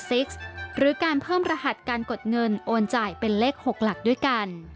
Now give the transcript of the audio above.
หรือการเพิ่มรหัสการกดเงินโอนจ่ายเป็นเลข๖หลักด้วยกัน